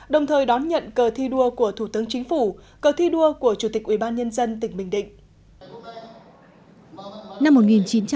đồng thời đón nhận cờ thi đua của thủ tướng chính phủ cờ thi đua của chủ tịch ubnd tỉnh bình định